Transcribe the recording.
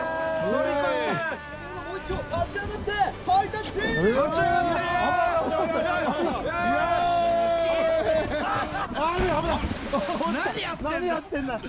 何やってんだよ！